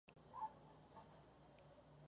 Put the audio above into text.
Fue integrante de la selección nacional de Chile.